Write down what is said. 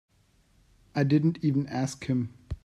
I didn't even ask him.